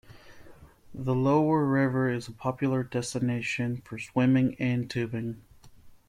The lower river is a popular destination for swimming and tubing.